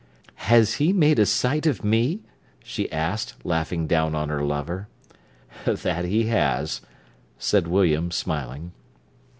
"Has he made a sight of me?" she asked, laughing down on her lover. "That he has!" said William, smiling.